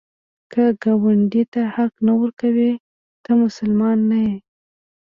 که ګاونډي ته حق نه ورکوې، ته مسلمان نه یې